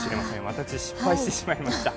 私、失敗してしまいました。